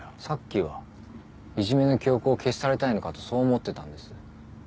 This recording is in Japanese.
さっきはいじめの記憶を消し去りたいのかとそう思ってたんです。